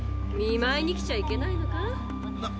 見まいに来ちゃいけない？